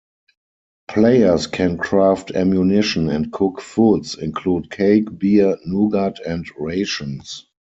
Players can craft ammunition and cook foods include cake, beer, nougat and rations.